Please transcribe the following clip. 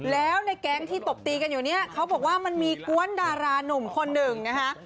แล้วในแก๊งที่ตบตีกันอยู่เนี่ยเขาบอกว่ามันมีกวนดารานุ่มคนหนึ่งนะคะ